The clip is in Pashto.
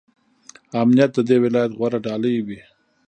امنیت د دې ولایت غوره ډالۍ وي.